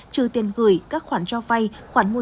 trừ tiền gửi các khoản cho vay khoản mua